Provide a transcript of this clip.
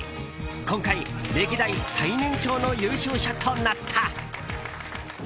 今回歴代最年長の優勝者となった。